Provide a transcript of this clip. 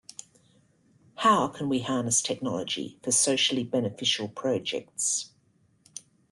How can we harness technology for socially beneficial projects?